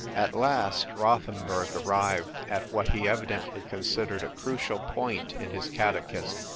At last Rothenburg arrived at what he evidently considered a crucial point in his catechism.